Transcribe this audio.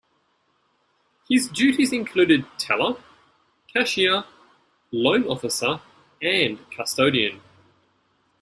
His duties included teller, cashier, loan officer and custodian.